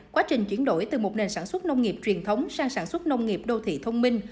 quá trình chuyển đổi từ một nền sản xuất nông nghiệp truyền thống sang sản xuất nông nghiệp đô thị thông minh